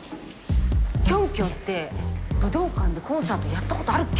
「キョンキョンって武道館でコンサートやったことあるっけ？」